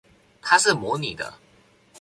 他是模擬的